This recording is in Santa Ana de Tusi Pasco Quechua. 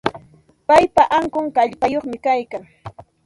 Paypa ankun kallpayuqmi kaykan.